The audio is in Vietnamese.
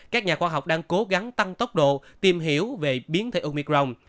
các nhà khoa học đang cố gắng tăng tốc độ tìm hiểu về biến thể umicron